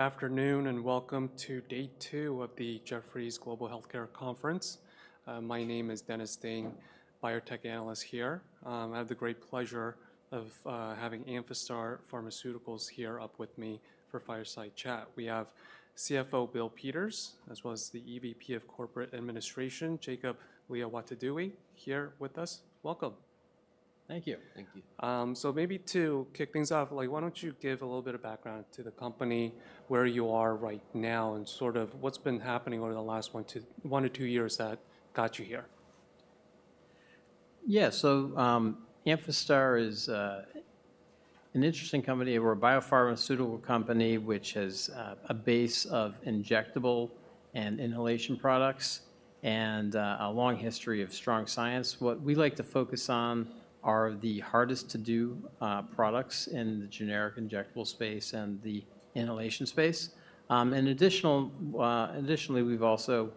Afternoon and welcome to Day 2 of the Jefferies Global Healthcare Conference. My name is Dennis Ding, biotech analyst here. I have the great pleasure of having Amphastar Pharmaceuticals here up with me for fireside chat. We have CFO Bill Peters, as well as the EVP of Corporate Administration, Jacob Liawatidewi, here with us. Welcome. Thank you. Maybe to kick things off, why do not you give a little bit of background to the company, where you are right now, and sort of what has been happening over the last one to one or two years that got you here? Yeah, so Amphastar is an interesting company. We're a biopharmaceutical company which has a base of injectable and inhalation products and a long history of strong science. What we like to focus on are the hardest-to-do products in the generic injectable space and the inhalation space. Additionally, we've also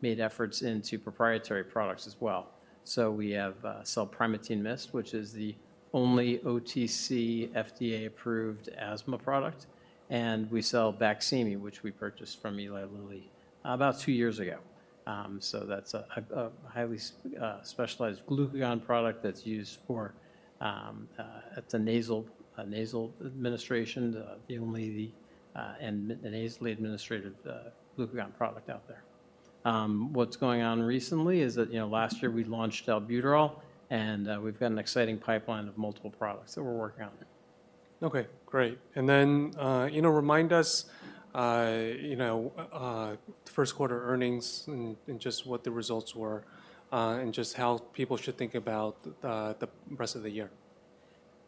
made efforts into proprietary products as well. We sell Primatene MIST, which is the only OTC FDA-approved asthma product. We sell BAQSIMI, which we purchased from Eli Lilly about two years ago. That's a highly specialized glucagon product that's used for nasal administration, the only nasally administered glucagon product out there. What's going on recently is that last year we launched Albuterol, and we've got an exciting pipeline of multiple products that we're working on. Okay, great. Then remind us the first quarter earnings and just what the results were and just how people should think about the rest of the year.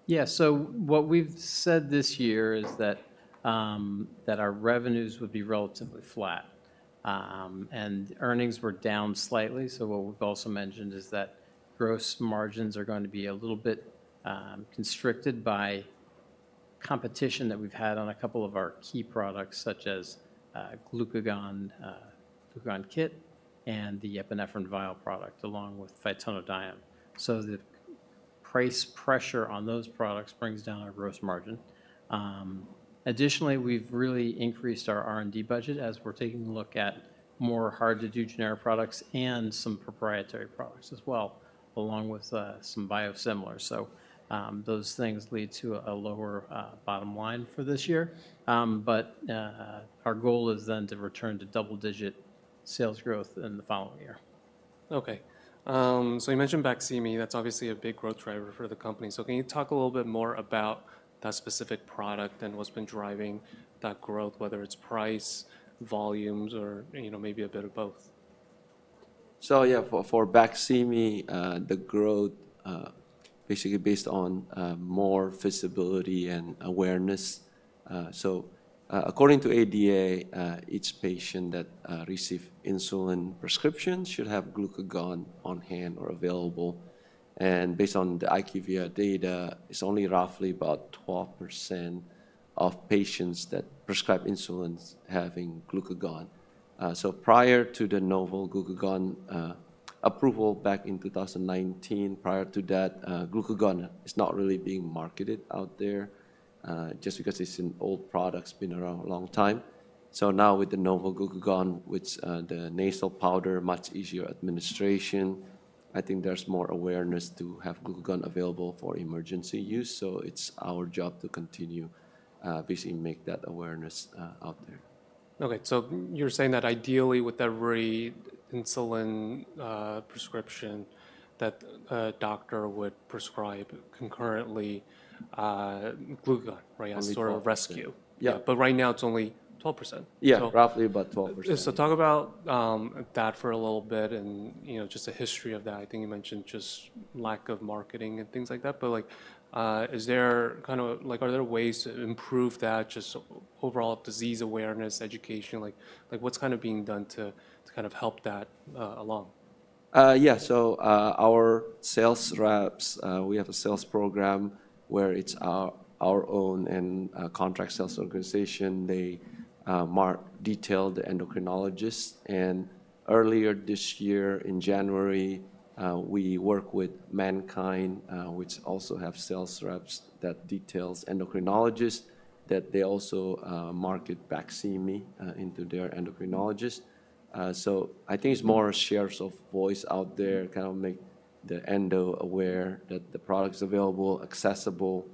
Yeah, so what we've said this year is that our revenues would be relatively flat, and earnings were down slightly. What we've also mentioned is that gross margins are going to be a little bit constricted by competition that we've had on a couple of our key products, such as glucagon kit and the epinephrine vial product, along with phytonadione. The price pressure on those products brings down our gross margin. Additionally, we've really increased our R&D budget as we're taking a look at more hard-to-do generic products and some proprietary products as well, along with some biosimilars. Those things lead to a lower bottom line for this year. Our goal is then to return to double-digit sales growth in the following year. Okay. So you mentioned BAQSIMI. That's obviously a big growth driver for the company. Can you talk a little bit more about that specific product and what's been driving that growth, whether it's price, volumes, or maybe a bit of both? Yeah, for BAQSIMI, the growth is basically based on more visibility and awareness. According to ADA, each patient that receives insulin prescriptions should have glucagon on hand or available. Based on the IQVIA data, it's only roughly about 12% of patients that prescribe insulins having glucagon. Prior to the novel glucagon approval back in 2019, prior to that, glucagon is not really being marketed out there just because it's an old product that's been around a long time. Now with the novel glucagon, which is the nasal powder, much easier administration, I think there's more awareness to have glucagon available for emergency use. It's our job to continue basically making that awareness out there. Okay. So you're saying that ideally with every insulin prescription that a doctor would prescribe concurrently, glucagon is sort of a rescue. Absolutely. Yeah. Right now it's only 12%. Yeah, roughly about 12%. Talk about that for a little bit and just the history of that. I think you mentioned just lack of marketing and things like that. Is there kind of, are there ways to improve that, just overall disease awareness, education? What's kind of being done to kind of help that along? Yeah. So our sales reps, we have a sales program where it's our own contract sales organization. They mark detailed endocrinologists. Earlier this year in January, we worked with Mankind, which also has sales reps that detail endocrinologists, that they also market BAQSIMI into their endocrinologists. I think it's more shares of voice out there, kind of make the endo aware that the product's available, accessible,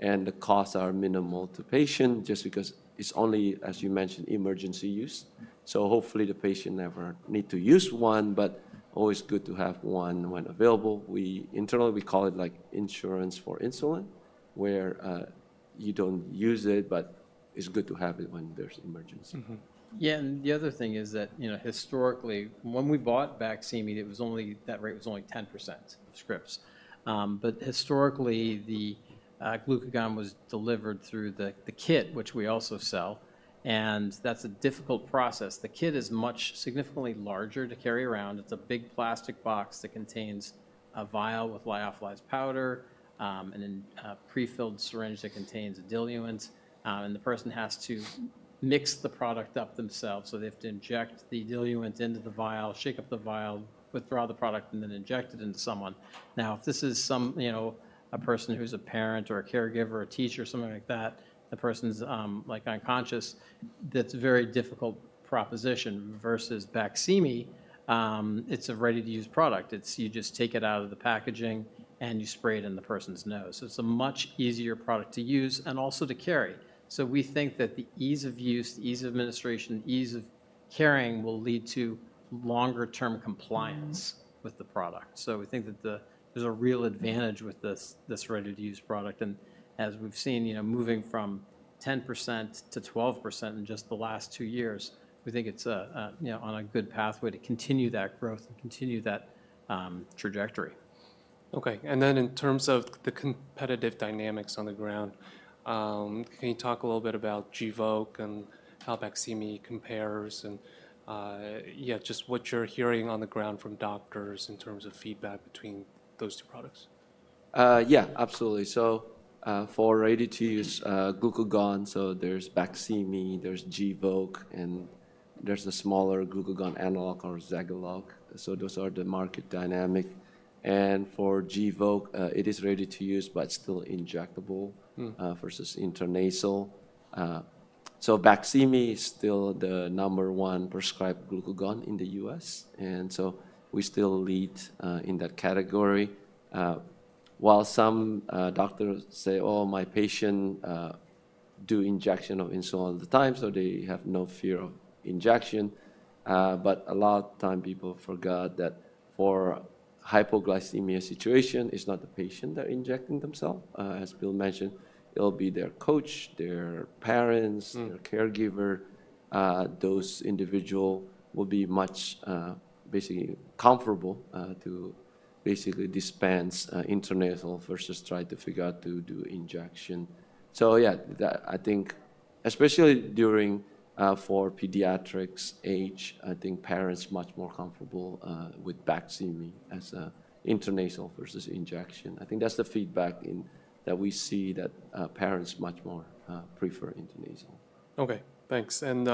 and the costs are minimal to patients just because it's only, as you mentioned, emergency use. Hopefully the patient never needs to use one, but always good to have one when available. We internally call it insurance for insulin where you don't use it, but it's good to have it when there's emergency. Yeah. The other thing is that historically, when we bought BAQSIMI, that rate was only 10% of scripts. Historically, the glucagon was delivered through the kit, which we also sell. That is a difficult process. The kit is significantly larger to carry around. It is a big plastic box that contains a vial with lyophilized powder and then a prefilled syringe that contains a diluent. The person has to mix the product up themselves. They have to inject the diluent into the vial, shake up the vial, withdraw the product, and then inject it into someone. Now, if this is a person who is a parent or a caregiver or a teacher or something like that, the person is unconscious, that is a very difficult proposition versus BAQSIMI. It is a ready-to-use product. You just take it out of the packaging and you spray it in the person's nose. It is a much easier product to use and also to carry. We think that the ease of use, the ease of administration, the ease of carrying will lead to longer-term compliance with the product. We think that there is a real advantage with this ready-to-use product. As we have seen, moving from 10% to 12% in just the last two years, we think it is on a good pathway to continue that growth and continue that trajectory. Okay. In terms of the competitive dynamics on the ground, can you talk a little bit about Gvoke and how BAQSIMI compares and just what you are hearing on the ground from doctors in terms of feedback between those two products? Yeah, absolutely. For ready-to-use glucagon, there is BAQSIMI, there is Gvoke, and there is a smaller glucagon analog called ZEGALOGUE. Those are the market dynamic. For Gvoke, it is ready-to-use but still injectable versus intranasal. BAQSIMI is still the number one prescribed glucagon in the U.S., and we still lead in that category. While some doctors say, "Oh, my patients do injection of insulin all the time, so they have no fear of injection," a lot of times people forget that for hypoglycemia situation, it is not the patient injecting themselves. As Bill mentioned, it will be their coach, their parents, their caregiver. Those individuals will be basically comfortable to dispense intranasal versus try to figure out how to do injection. I think especially for pediatrics age, parents are much more comfortable with BAQSIMI as intranasal versus injection. I think that's the feedback that we see that parents much more prefer intranasal. Okay. Thanks. In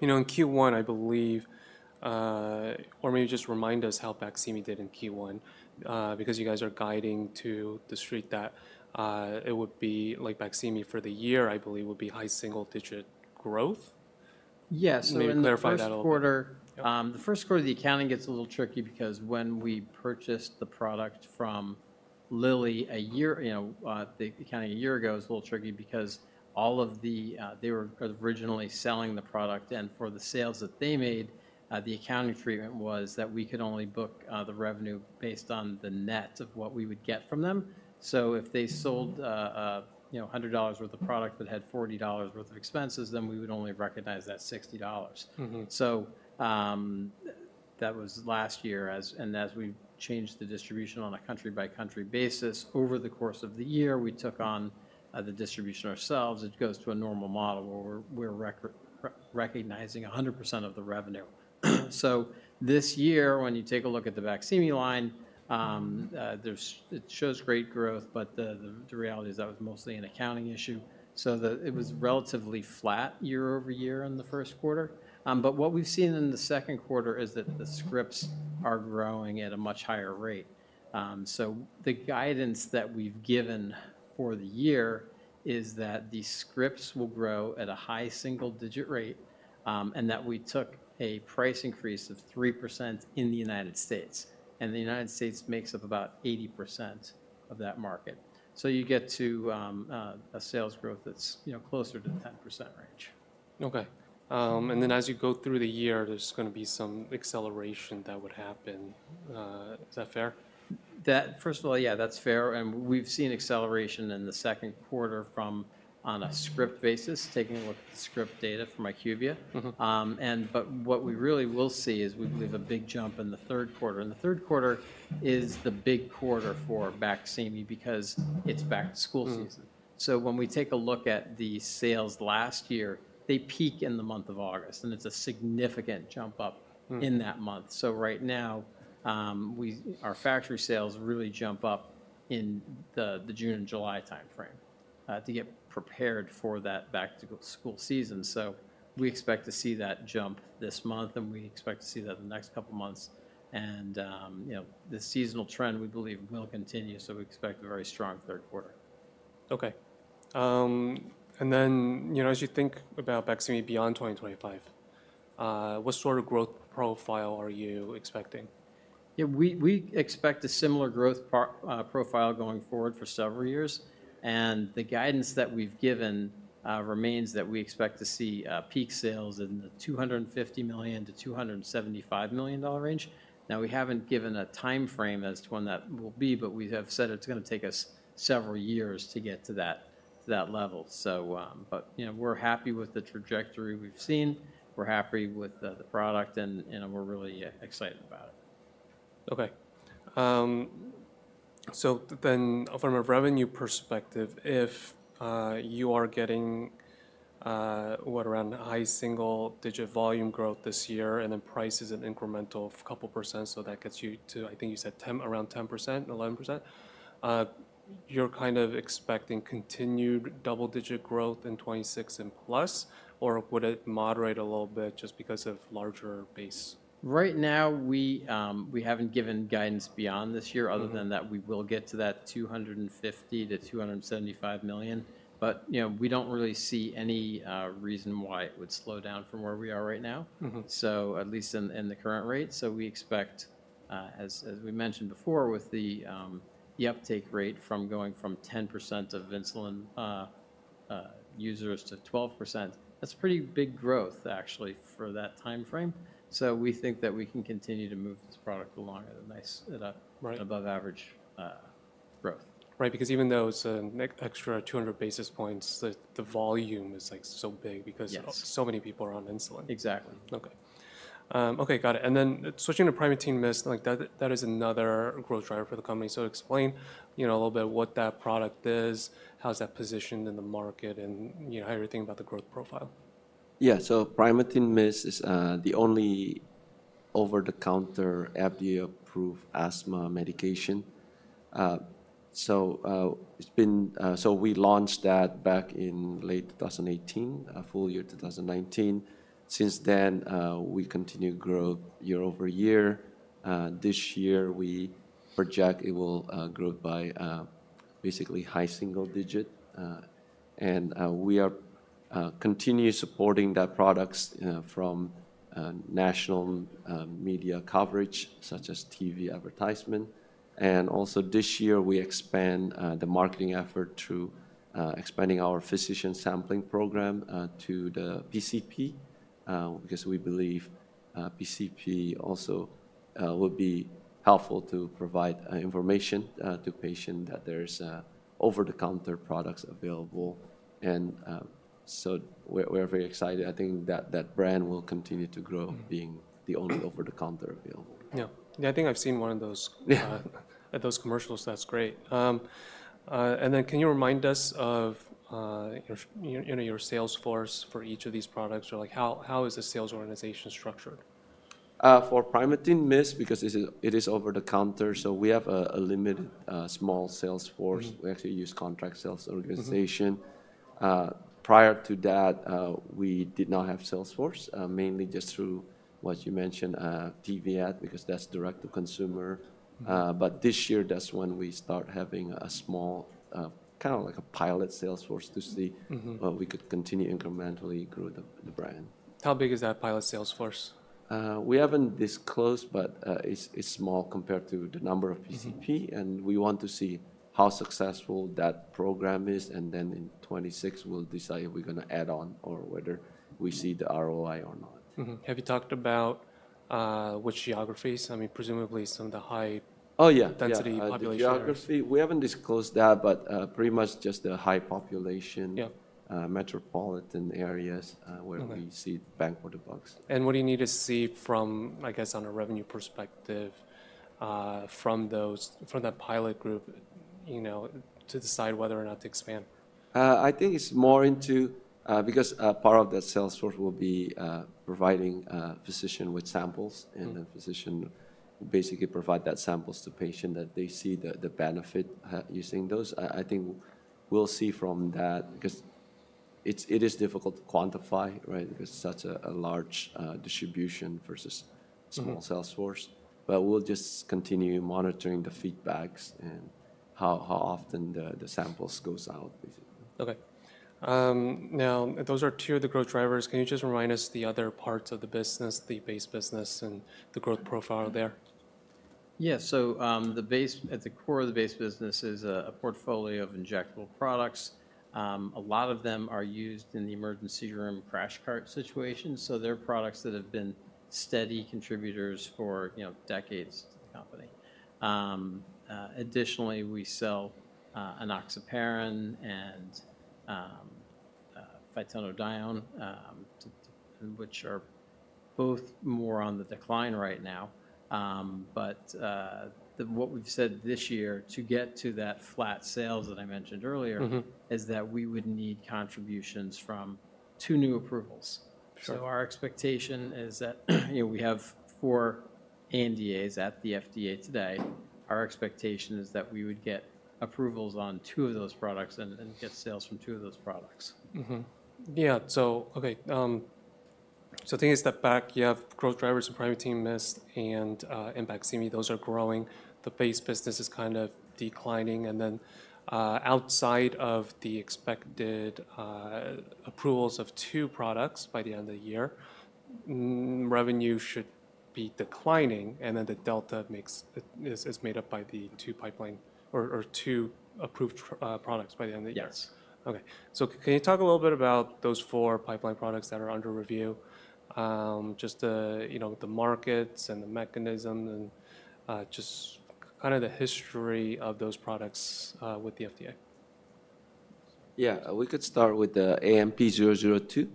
Q1, I believe, or maybe just remind us how BAQSIMI did in Q1 because you guys are guiding to the street that it would be like BAQSIMI for the year, I believe, would be high single-digit growth. Yeah. Can you clarify that a little bit? The first quarter, the accounting gets a little tricky because when we purchased the product from Lilly a year, the accounting a year ago is a little tricky because all of the they were originally selling the product. For the sales that they made, the accounting treatment was that we could only book the revenue based on the net of what we would get from them. If they sold $100 worth of product but had $40 worth of expenses, then we would only recognize that $60. That was last year. As we changed the distribution on a country-by-country basis, over the course of the year, we took on the distribution ourselves. It goes to a normal model where we're recognizing 100% of the revenue. This year, when you take a look at the BAQSIMI line, it shows great growth, but the reality is that was mostly an accounting issue. It was relatively flat year over year in the first quarter. What we've seen in the second quarter is that the scripts are growing at a much higher rate. The guidance that we've given for the year is that these scripts will grow at a high single-digit rate and that we took a price increase of 3% in the United States. The United States makes up about 80% of that market. You get to a sales growth that's closer to the 10% range. Okay. And then as you go through the year, there's going to be some acceleration that would happen. Is that fair? First of all, yeah, that's fair. And we've seen acceleration in the second quarter from on a script basis, taking what the script data from IQVIA. But what we really will see is we believe a big jump in the third quarter. The third quarter is the big quarter for BAQSIMI because it's back to school. When we take a look at the sales last year, they peak in the month of August, and it's a significant jump up in that month. Right now, our factory sales really jump up in the June and July timeframe to get prepared for that back-to-school season. We expect to see that jump this month, and we expect to see that in the next couple of months. The seasonal trend, we believe, will continue. We expect a very strong third quarter. Okay. And then as you think about BAQSIMI beyond 2025, what sort of growth profile are you expecting? Yeah, we expect a similar growth profile going forward for several years. The guidance that we've given remains that we expect to see peak sales in the $250 million-$275 million range. Now, we haven't given a timeframe as to when that will be, but we have said it's going to take us several years to get to that level. We're happy with the trajectory we've seen. We're happy with the product, and we're really excited about it. Okay. So then from a revenue perspective, if you are getting around high single-digit volume growth this year and then price is an incremental couple percent, so that gets you to, I think you said, around 10%-11%, you're kind of expecting continued double-digit growth in 2026 and plus, or would it moderate a little bit just because of larger base? Right now, we haven't given guidance beyond this year. Other than that, we will get to that $250 million-$275 million. We don't really see any reason why it would slow down from where we are right now, at least in the current rate. We expect, as we mentioned before, with the uptake rate from going from 10% of insulin users to 12%, that's a pretty big growth actually for that timeframe. We think that we can continue to move this product along at an above-average growth. Right. Because even though it's an extra 200 basis points, the volume is so big because so many people are on insulin. Exactly. Okay. Okay. Got it. Switching to Primatene MIST, that is another growth driver for the company. Explain a little bit what that product is, how it's positioned in the market, and how you're thinking about the growth profile. Yeah. Primatene MIST is the only over-the-counter FDA-approved asthma medication. We launched that back in late 2018, full year 2019. Since then, we continue to grow year over year. This year, we project it will grow by basically high single-digit. We are continuing to support that product from national media coverage such as TV advertisement. Also this year, we expand the marketing effort to expand our physician sampling program to the PCP because we believe PCP also will be helpful to provide information to patients that there are over-the-counter products available. We are very excited. I think that brand will continue to grow being the only over-the-counter available. Yeah. Yeah. I think I've seen one of those at those commercials. That's great. Can you remind us of your sales force for each of these products? Or how is the sales organization structured? For Primatene MIST, because it is over-the-counter, so we have a limited small sales force. We actually use contract sales organization. Prior to that, we did not have sales force, mainly just through, what you mentioned, TV ad because that's direct-to-consumer. But this year, that's when we start having a small, kind of like a pilot sales force to see if we could continue incrementally growing the brand. How big is that pilot sales force? We haven't disclosed, but it's small compared to the number of PCP. We want to see how successful that program is. In 2026, we'll decide if we're going to add on or whether we see the ROI or not. Have you talked about which geographies? I mean, presumably some of the high density population areas. Oh yeah. We haven't disclosed that, but pretty much just the high population, metropolitan areas where we see bang for the bucks. What do you need to see from, I guess, on a revenue perspective from that pilot group to decide whether or not to expand? I think it's more into because part of that sales force will be providing physicians with samples. The physician basically provides those samples to patients that they see the benefit using those. I think we'll see from that because it is difficult to quantify because it's such a large distribution versus small sales force. We'll just continue monitoring the feedback and how often the samples go out. Okay. Now, those are two of the growth drivers. Can you just remind us the other parts of the business, the base business and the growth profile there? Yeah. At the core of the base business is a portfolio of injectable products. A lot of them are used in the emergency room crash cart situation. They're products that have been steady contributors for decades to the company. Additionally, we sell enoxaparin and phytonadione, which are both more on the decline right now. What we've said this year to get to that flat sales that I mentioned earlier is that we would need contributions from two new approvals. Our expectation is that we have four NDAs at the FDA today. Our expectation is that we would get approvals on two of those products and get sales from two of those products. Yeah. Okay. Taking a step back, you have growth drivers in Primatene MIST and BAQSIMI, those are growing. The base business is kind of declining. Outside of the expected approvals of two products by the end of the year, revenue should be declining. The delta is made up by the two pipeline or two approved products by the end of the year. Yes. Okay. So can you talk a little bit about those four pipeline products that are under review, just the markets and the mechanism and just kind of the history of those products with the FDA? Yeah. We could start with the AMP-002.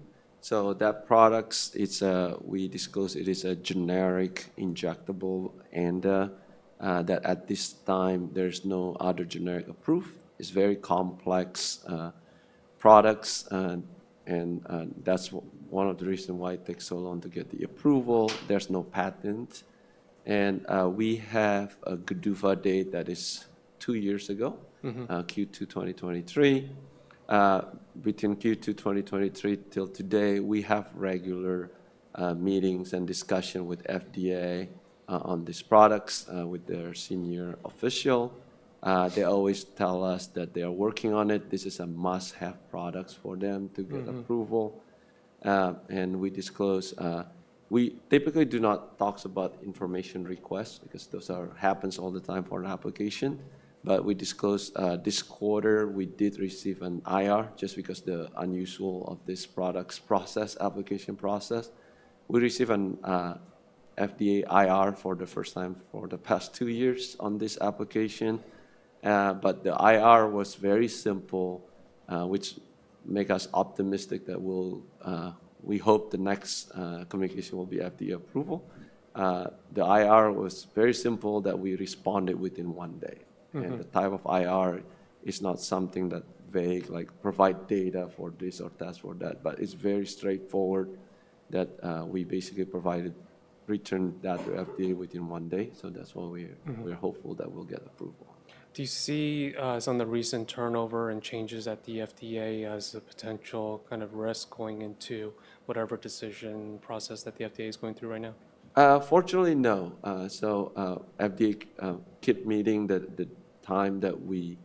So that product, we disclosed it is a generic injectable and that at this time, there's no other generic approved. It's very complex products. That's one of the reasons why it takes so long to get the approval. There's no patent. We have a good due validate that is two years ago, Q2 2023. Between Q2 2023 till today, we have regular meetings and discussions with FDA on these products with their senior officials. They always tell us that they are working on it. This is a must-have product for them to get approval. We disclose, we typically do not talk about information requests because those happen all the time for an application. We disclosed this quarter, we did receive an IR just because of the unusual of this product's application process. We received an FDA IR for the first time for the past two years on this application. The IR was very simple, which makes us optimistic that we hope the next communication will be FDA approval. The IR was very simple that we responded within one day. The type of IR is not something that vague, like provide data for this or that for that. It is very straightforward that we basically provided returned data to FDA within one day. That is why we are hopeful that we will get approval. Do you see some of the recent turnover and changes at the FDA as a potential kind of risk going into whatever decision process that the FDA is going through right now? Fortunately, no. FDA keeps meeting the time that we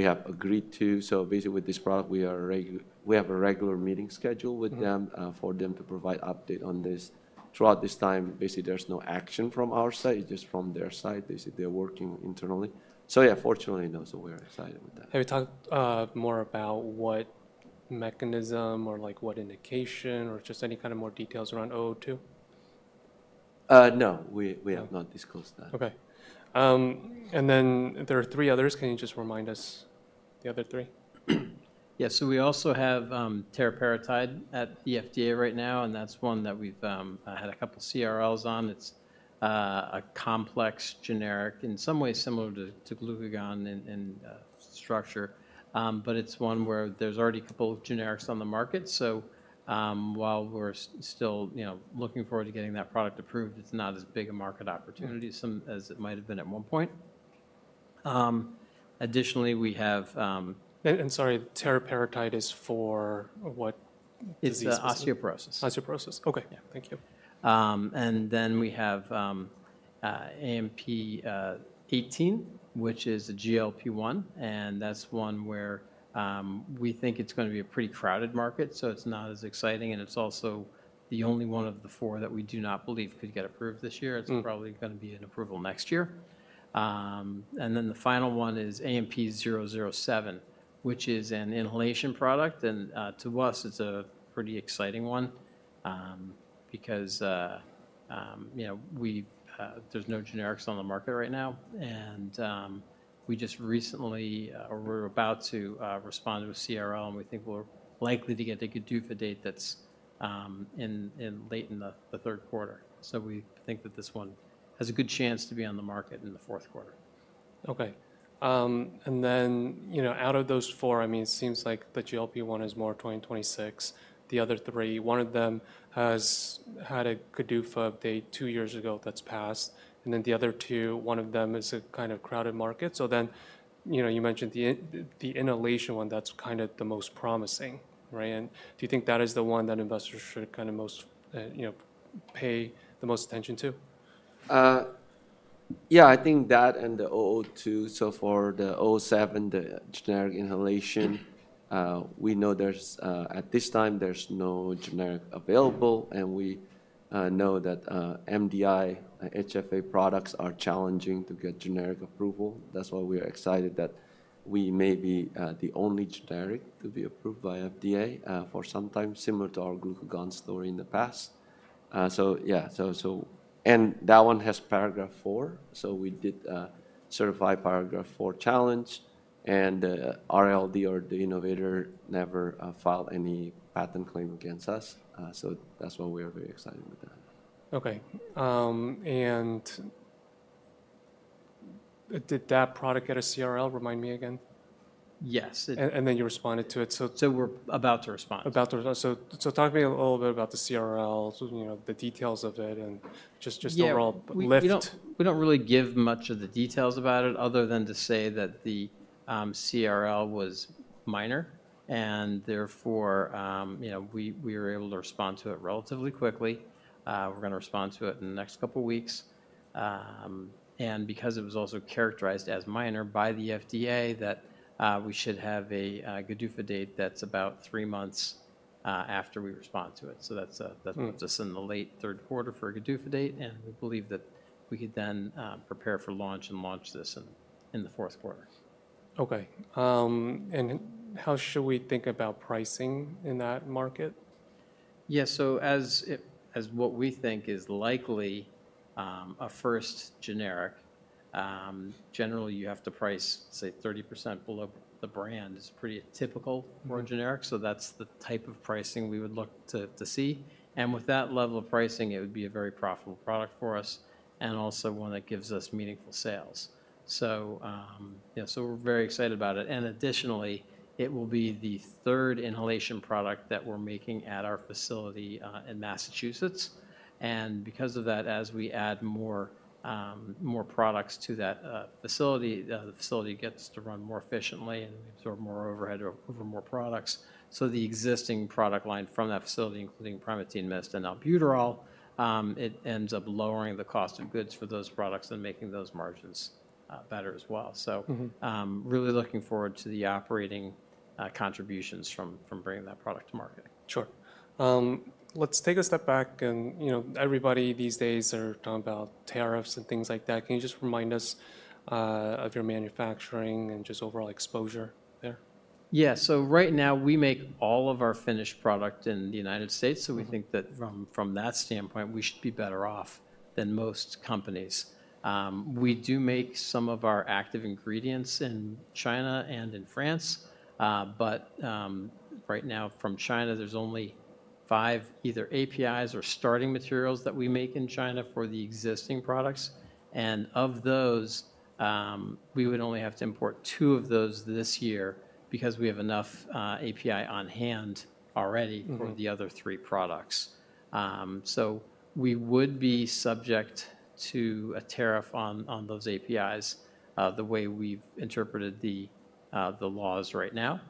have agreed to. Basically, with this product, we have a regular meeting schedule with them for them to provide updates on this. Throughout this time, there's no action from our side. It's just from their side. Basically, they're working internally. Fortunately, no. We're excited with that. Have you talked more about what mechanism or what indication or just any kind of more details around AMP-002? No. We have not disclosed that. Okay. And then there are three others. Can you just remind us the other three? Yeah. So we also have teriparatide at the FDA right now. And that's one that we've had a couple of CRLs on. It's a complex generic, in some ways similar to glucagon in structure. But it's one where there's already a couple of generics on the market. So while we're still looking forward to getting that product approved, it's not as big a market opportunity as it might have been at one point. Additionally, we have. Sorry, teriparatide is for what? It's osteoporosis. Osteoporosis. Okay. Yeah. Thank you. We have AMP-018, which is a GLP-1. That's one where we think it's going to be a pretty crowded market, so it's not as exciting. It's also the only one of the four that we do not believe could get approved this year. It's probably going to be an approval next year. The final one is AMP-007, which is an inhalation product. To us, it's a pretty exciting one because there's no generics on the market right now. We just recently were about to respond to a CRL, and we think we're likely to get a good due for date that's late in the third quarter. We think that this one has a good chance to be on the market in the fourth quarter. Okay. And then out of those four, I mean, it seems like the GLP-1 is more 2026. The other three, one of them has had a good due for update two years ago that's passed. And then the other two, one of them is a kind of crowded market. You mentioned the inhalation one, that's kind of the most promising, right? Do you think that is the one that investors should kind of pay the most attention to? Yeah. I think that and the 002. For the 007, the generic inhalation, we know at this time there's no generic available. We know that MDI and HFA products are challenging to get generic approval. That's why we are excited that we may be the only generic to be approved by FDA for some time, similar to our glucagon story in the past. Yeah. That one has Paragraph IV. We did certify Paragraph IV challenge, and the RLD or the innovator never filed any patent claim against us. That's why we are very excited with that. Okay. Did that product get a CRL? Remind me again. Yes. You responded to it. We're about to respond. About to respond. Talk to me a little bit about the CRL, the details of it, and just overall lift. We do not really give much of the details about it other than to say that the CRL was minor. Therefore, we were able to respond to it relatively quickly. We are going to respond to it in the next couple of weeks. Because it was also characterized as minor by the FDA, we should have a good due for date that is about three months after we respond to it. That is just in the late third quarter for a good due for date. We believe that we could then prepare for launch and launch this in the fourth quarter. Okay. How should we think about pricing in that market? Yeah. As what we think is likely a first generic, generally, you have to price, say, 30% below the brand. It's pretty typical, more generic. That's the type of pricing we would look to see. With that level of pricing, it would be a very profitable product for us and also one that gives us meaningful sales. Yeah, we're very excited about it. Additionally, it will be the third inhalation product that we're making at our facility in Massachusetts. Because of that, as we add more products to that facility, the facility gets to run more efficiently and absorb more overhead over more products. The existing product line from that facility, including Primatene MIST and Albuterol, ends up lowering the cost of goods for those products and making those margins better as well. Really looking forward to the operating contributions from bringing that product to market. Sure. Let's take a step back. Everybody these days are talking about tariffs and things like that. Can you just remind us of your manufacturing and just overall exposure there? Yeah. Right now, we make all of our finished product in the United States. We think that from that standpoint, we should be better off than most companies. We do make some of our active ingredients in China and in France. Right now, from China, there's only five either APIs or starting materials that we make in China for the existing products. Of those, we would only have to import two of those this year because we have enough API on hand already for the other three products. We would be subject to a tariff on those APIs the way we've interpreted the laws right now.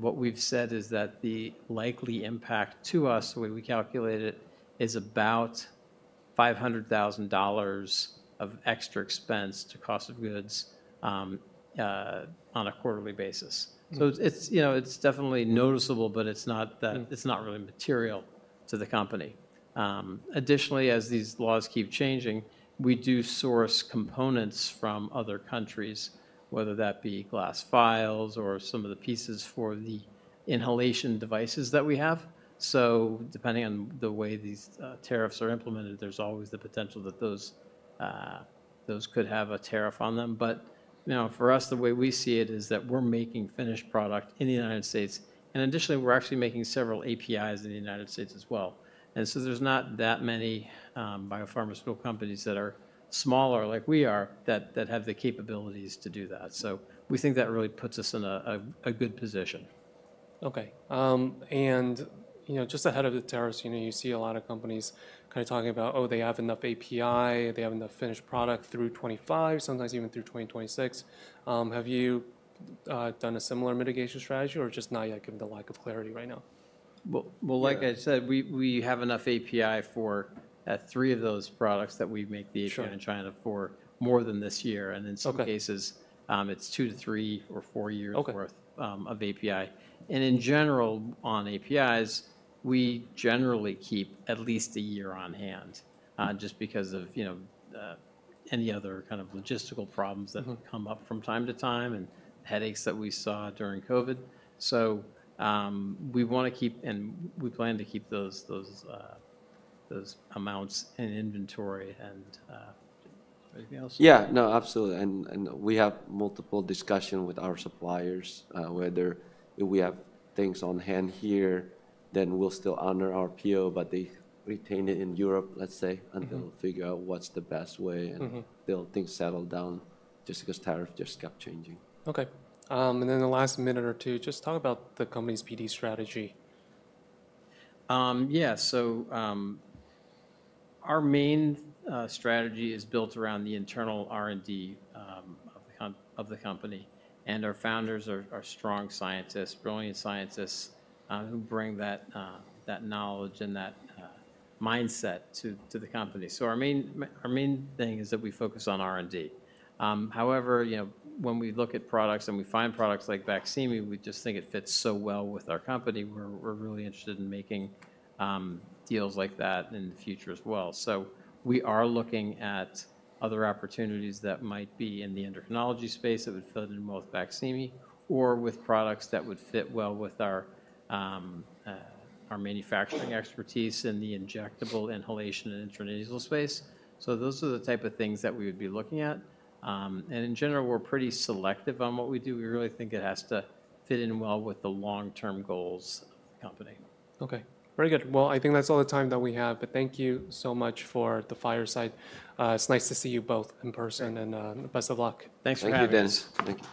What we've said is that the likely impact to us, the way we calculate it, is about $500,000 of extra expense to cost of goods on a quarterly basis. It's definitely noticeable, but it's not really material to the company. Additionally, as these laws keep changing, we do source components from other countries, whether that be glass vials or some of the pieces for the inhalation devices that we have. Depending on the way these tariffs are implemented, there's always the potential that those could have a tariff on them. For us, the way we see it is that we're making finished product in the United States. Additionally, we're actually making several APIs in the United States as well. There are not that many biopharmaceutical companies that are smaller like we are that have the capabilities to do that. We think that really puts us in a good position. Okay. Just ahead of the tariffs, you see a lot of companies kind of talking about, "Oh, they have enough API. They have enough finished product through 2025, sometimes even through 2026." Have you done a similar mitigation strategy or just not yet given the lack of clarity right now? Like I said, we have enough API for three of those products that we make the API in China for more than this year. In some cases, it is two to three or four years' worth of API. In general, on APIs, we generally keep at least a year on hand just because of any other kind of logistical problems that have come up from time to time and headaches that we saw during COVID. We want to keep, and we plan to keep, those amounts in inventory. Anything else? Yeah. No, absolutely. We have multiple discussions with our suppliers, whether we have things on hand here, then we'll still honor our PO, but they retain it in Europe, let's say, until we figure out what's the best way until things settle down just because tariffs just kept changing. Okay. In the last minute or two, just talk about the company's PD strategy. Yeah. Our main strategy is built around the internal R&D of the company. Our founders are strong scientists, brilliant scientists who bring that knowledge and that mindset to the company. Our main thing is that we focus on R&D. However, when we look at products and we find products like BAQSIMI, we just think it fits so well with our company. We're really interested in making deals like that in the future as well. We are looking at other opportunities that might be in the endocrinology space that would fit in with BAQSIMI or with products that would fit well with our manufacturing expertise in the injectable, inhalation, and intranasal space. Those are the type of things that we would be looking at. In general, we're pretty selective on what we do. We really think it has to fit in well with the long-term goals of the company. Okay. Very good. I think that's all the time that we have. Thank you so much for the fireside. It's nice to see you both in person. Best of luck. Thanks for having us. Thank you, guys.